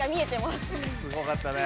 すごかったね。